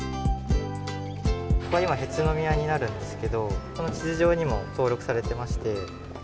今、辺津宮になるんですけど、この地図上にも登録されてまして。